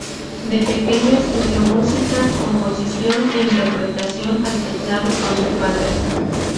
De pequeño estudió música, composición e interpretación al teclado con su padre.